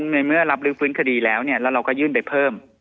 ในเมื่อรับลื้อฟื้นคดีแล้วแล้วเราก็ยื่นไปเพิ่ม